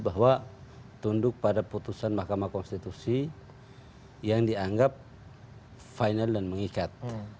bahwa tunduk pada putusan mahkamah konstitusi yang dianggap final dan mengikat